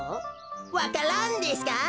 わか蘭ですか？